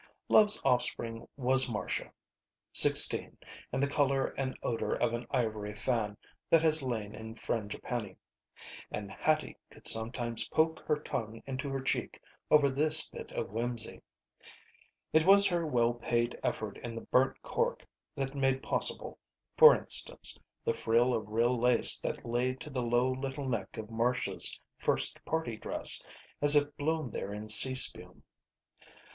Love's offspring was Marcia. Sixteen and the color and odor of an ivory fan that has lain in frangipani. And Hattie could sometimes poke her tongue into her cheek over this bit of whimsy: It was her well paid effort in the burnt cork that made possible, for instance, the frill of real lace that lay to the low little neck of Marcia's first party dress, as if blown there in sea spume.